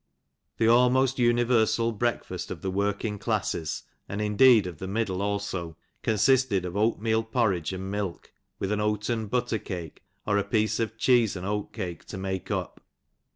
The almost universal breakfast of the working classes, and indeed of the middle also, consisted of oatmeal porridge, and milk, with an oaten butter cake, or a piece of cheese and oat cake, to make up.